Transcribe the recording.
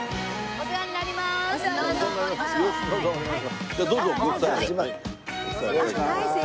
お世話になります。